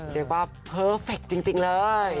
เรียกว่าเพอร์เฟคจริงเลย